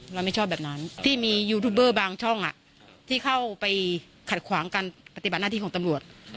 ไม่ชอบแบบนั้นที่มียูทูบเบอร์บางช่องที่เข้าไปขัดขวางการปฏิบัติหน้าที่ของตำรวจ